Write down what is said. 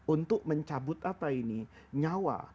untuk mencabut nyawa